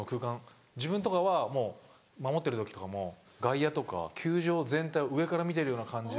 自分とかはもう守ってる時とかもう外野とか球場全体を上から見てるような感じで距離感が。